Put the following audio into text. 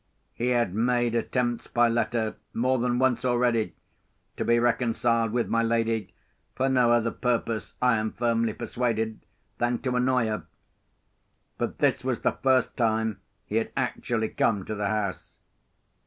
He had made attempts by letter, more than once already, to be reconciled with my lady, for no other purpose, I am firmly persuaded, than to annoy her. But this was the first time he had actually come to the house.